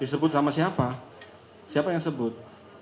disebut sama siapa siapa yang sebut